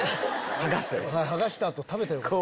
剥がした後食べたらよかった。